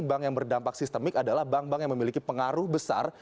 bank yang berdampak sistemik adalah bank bank yang memiliki pengaruh besar